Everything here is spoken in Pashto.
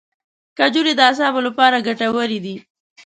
کجورې د اعصابو لپاره ګټورې دي.